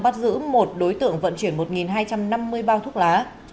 bắt giữ một đối tượng vận chuyển một hai trăm năm mươi bao thuốc lá